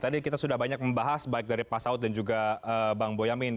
tadi kita sudah banyak membahas baik dari pak saud dan juga bang boyamin